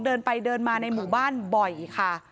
เดินไปเดินมาในหมู่บ้านบ่อยค่ะ